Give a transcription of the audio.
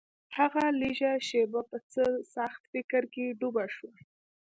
هغه لږه شېبه په څه سخت فکر کې ډوبه شوه.